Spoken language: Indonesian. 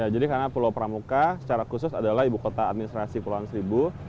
jadi karena pulau pramuka secara khusus adalah ibu kota administrasi pulauan seribu